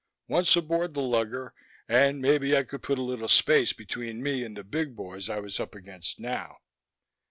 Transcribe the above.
Once aboard the lugger ... and maybe I could put a little space between me and the big boys I was up against now.